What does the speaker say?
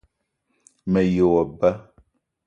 Me ye wo ba